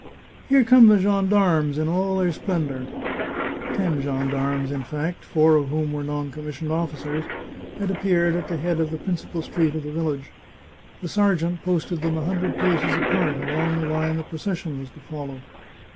" Here come the gendarmes in all their splendour !" Ten gendarmes, in fact, four of whom were non commissioned officers, had appeared at the head of the principal street of the village. The sergeant posted them a hundred paces apart, along the line the procession was to follow.